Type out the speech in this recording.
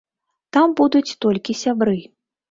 Там будуць толькі сябры.